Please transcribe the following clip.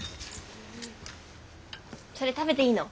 それ食べていいの？